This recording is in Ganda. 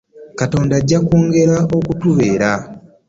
Katonda ajja kwongera okutubeera.